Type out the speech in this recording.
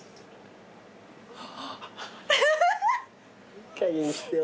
いいかげんにしてよ。